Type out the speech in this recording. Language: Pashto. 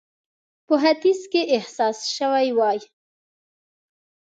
په ختیځ کې احساس سوې وای.